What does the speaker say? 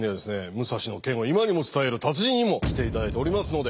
武蔵の剣を今にも伝える達人にも来て頂いておりますので。